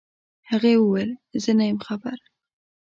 هغې وويل زه نه يم خبر.